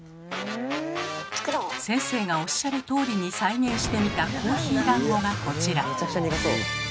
先生がおっしゃるとおりに再現してみたコーヒーだんごがこちら。